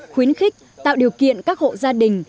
khuyến khích tạo điều kiện các hộ gia đình